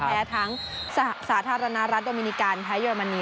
แพ้ทั้งสาธารณรัฐโดมินิกันแพ้เยอรมนี